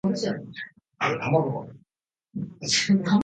何かを確かめるように、林の奥、広場に向けて歩いていった